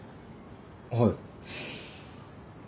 はい。